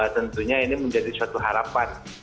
tentunya ini menjadi suatu harapan